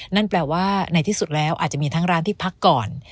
นั่นแปลว่าในที่สุดแล้วอาจจะมีทั้งร้านที่พักก่อน